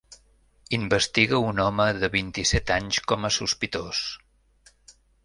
Investiga un home de vint-i-set anys com a sospitós.